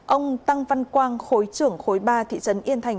ông tăng văn quang khối trưởng khối ba thị trấn yên thành